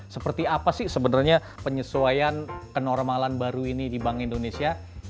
seperti apa sih sebenarnya penyesuaian kenormalan baru ini di bank indonesia